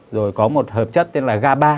rồi có một hợp chất tên là gaba